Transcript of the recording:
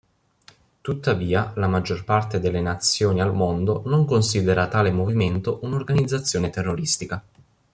Tuttavia la maggior parte delle nazioni al mondo non considera tale movimento un'organizzazione terroristica.